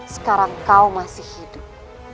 sekarang kau masih hidup